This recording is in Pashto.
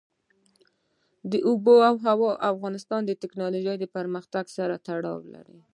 آب وهوا د افغانستان د تکنالوژۍ پرمختګ سره تړاو لري.